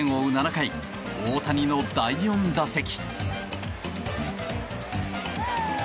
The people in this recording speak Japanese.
７回大谷の第４打席。